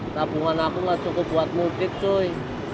karena aku gak cukup buat mukid cuy